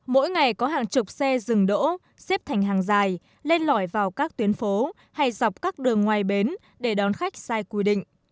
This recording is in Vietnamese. mỗi ngày có hàng chục xe dừng đỗ xếp thành hàng dài lên lỏi vào các tuyến phố hay dọc các đường ngoài bến để đón khách sai quy định